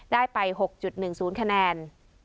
ได้ไป๖๑๐คะแนน